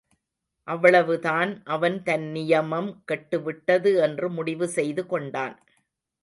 அவ்வளவு தான் அவன் தன் நியமம் கெட்டுவிட்டது என்று முடிவு செய்து கொண்டான்.